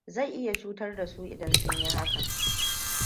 Zai iya cutar da su idan sun yi hakan.